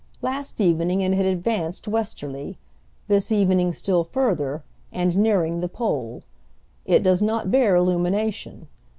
Last evening it had advanced westerly; this evening still further, and nearing the pole. It does not bear illumination.